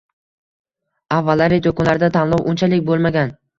Avvallari do‘konlarda tanlov unchalik bo‘lmagan